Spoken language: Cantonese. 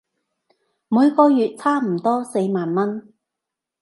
每個月差唔多四萬文